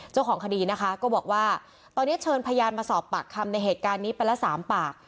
เจ้าของคดีนะคะก็บอกว่าตอนนี้เชิญพยานมาสอบปากคำในเหตุการณ์นี้ไปละ๓ปาก